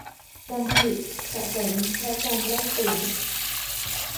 การผลิต สะสม และการแลกเปลี่ยน